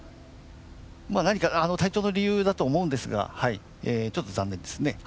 何か体調の理由だと思うんですがちょっと残念ですね。